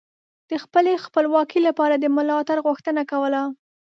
د خپلې خپلواکۍ لپاره د ملاتړ غوښتنه کوله